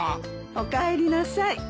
おかえりなさい。